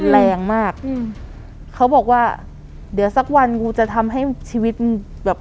แรงมากอืมเขาบอกว่าเดี๋ยวสักวันกูจะทำให้ชีวิตมึงแบบ